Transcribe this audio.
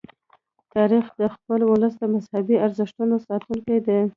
تاریخ د خپل ولس د مذهبي ارزښتونو ساتونکی دی.